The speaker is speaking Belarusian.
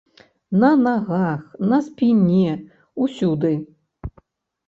На нагах, на спіне, усюды.